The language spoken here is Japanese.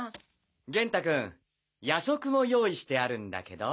元太君夜食も用意してあるんだけど。